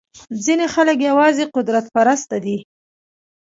ځینې خلک یوازې قدرت پرسته دي.